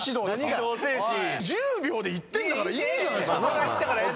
１０秒でいってんだからいいじゃないっすか！